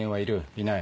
いない？